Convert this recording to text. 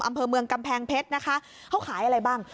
อำเภอเมืองกำแพงเพชรนะคะเขาขายอะไรบ้าง